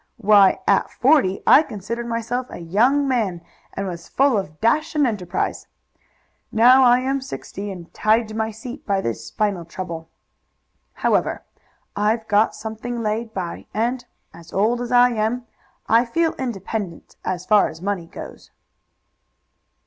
Why, at forty I considered myself a young man, and was full of dash and enterprise. Now I am sixty and tied to my seat by this spinal trouble. However, I've got something laid by, and, old as I am, I feel independent as far as money goes."